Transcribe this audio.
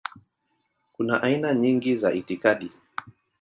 Kuna aina nyingi za itikadi.